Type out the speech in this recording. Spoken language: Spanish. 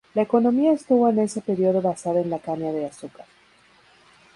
La economía estuvo en ese periodo basada en la caña de azúcar.